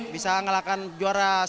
bisa ngelakkan juara si games